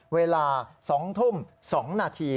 เวลา๒ทุ่ม๒นาที